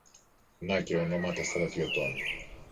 να και ονόματα στρατιωτών.